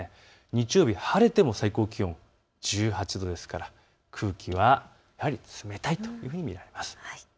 日曜日、晴れても最高気温１８度ですから空気はやはり冷たいと見られます。